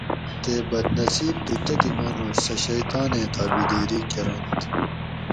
تے بد نصیب تھو تتھیں مانوڄ سہ شیطانیں طابعدیری کرنت